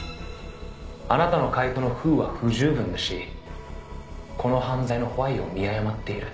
「あなたの解答のＷＨＯは不十分だしこの犯罪のＷＨＹを見誤っている」